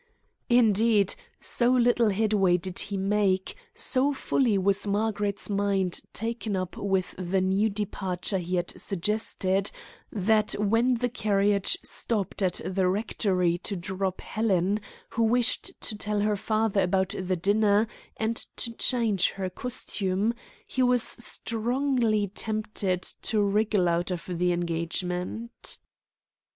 Indeed, so little headway did he make, so fully was Margaret's mind taken up with the new departure he had suggested, that when the carriage stopped at the rectory to drop Helen who wished to tell her father about the dinner and to change her costume he was strongly tempted to wriggle out of the engagement.